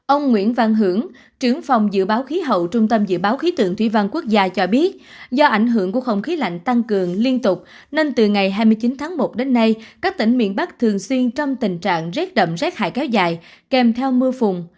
ông nguyễn văn hưởng trưởng phòng dự báo khí hậu trung tâm dự báo khí tượng thủy văn quốc gia cho biết do ảnh hưởng của không khí lạnh tăng cường liên tục nên từ ngày hai mươi chín tháng một đến nay các tỉnh miền bắc thường xuyên trong tình trạng rét đậm rét hại kéo dài kèm theo mưa phùng